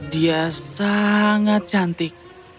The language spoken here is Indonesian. dia sangat cantik